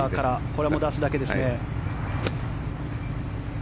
これも出すだけですね。